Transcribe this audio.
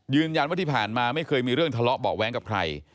ยืนยันว่าที่ผ่านมาไม่เคยมีเรื่องทะเลาะเบาะแว้งกับใคร